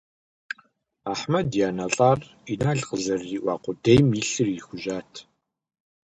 Ахьмэд и анэ лӀар Инал къызэрыриӀуа къудейм и лъыр ирихужьат.